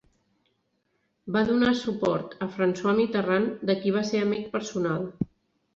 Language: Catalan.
Va donar suport a François Mitterrand, de qui va ser amic personal.